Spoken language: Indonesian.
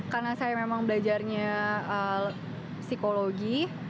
karena saya memang belajarnya psikologi